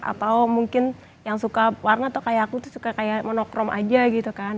atau mungkin yang suka warna tuh kayak aku tuh suka kayak monokrom aja gitu kan